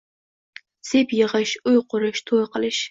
Sep yigʻish, uy qurish, toʻy qilish